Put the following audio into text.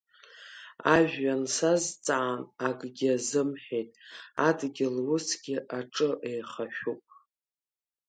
Ажәҩан сазҵаан акгьы азымҳәеит, адгьыл усгьы аҿы еихашәуп…